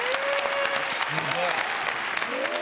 すごい。え！